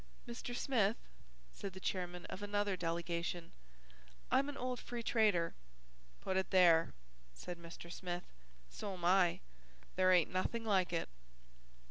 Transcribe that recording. "Mr. Smith," said the chairman of another delegation, "I'm an old free trader " "Put it there," said Mr. Smith, "so'm I. There ain't nothing like it."